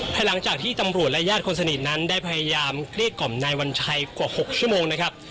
ภายหลังจากที่ตำรวจและญาติคนสนิทนั้นได้พยายามเกลี้ยกล่อมนายวัญชัยกว่า๖ชั่วโมงนะครับ